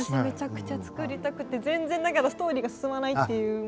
めちゃくちゃつくりたくて全然だからストーリーが進まないっていう。